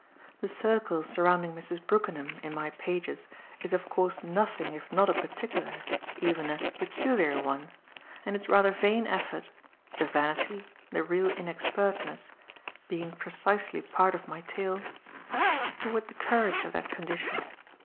The circle surrounding Mrs. Brookenham, in my pages, is of course nothing if not a particular, even a "peculiar" one and its rather vain effort (the vanity, the real inexpertness, being precisely part of my tale) is toward the courage of that condition.